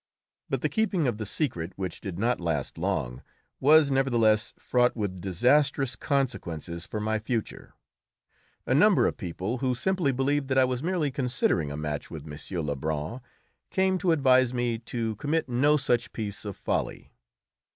But the keeping of the secret, which did not last long, was nevertheless fraught with disastrous consequences for my future. A number of people who simply believed that I was merely considering a match with M. Lebrun came to advise me to commit no such piece of folly.